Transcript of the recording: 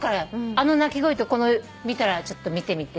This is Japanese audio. あの鳴き声と見たら見てみて。